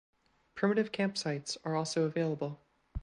Primitive camp sites are also available.